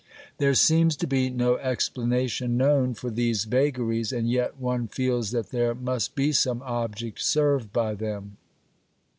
There seems to be no explanation known for these vagaries, and yet one feels that there must be some object served by them.